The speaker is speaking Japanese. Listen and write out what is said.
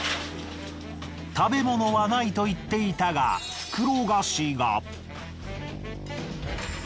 食べ物はないと言っていたが袋菓子が。